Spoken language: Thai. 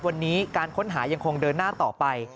วันนี้การค้นหายังคงเดินหน้าต่อไป